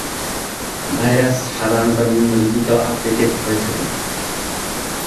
Virus সাধারণত নিম্ন লিখিত আকৃতির হয়ে থাকে।